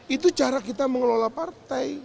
itu cara kita mengelola partai